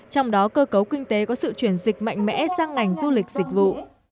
trong đó cơ cấu kinh tế có sự chuyển dịch mạnh mẽ sang ngành du lịch dịch vụ